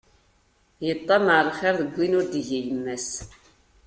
Iṭṭamaɛ lxiṛ deg win ur d-tgi yemma-s.